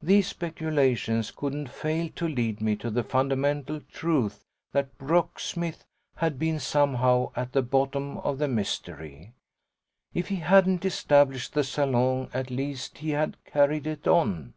These speculations couldn't fail to lead me to the fundamental truth that Brooksmith had been somehow at the bottom of the mystery. If he hadn't established the salon at least he had carried it on.